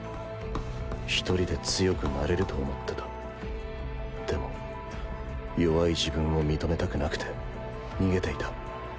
ひとりで強くなれると思ってたでも弱い自分を認めたくなくて逃げていた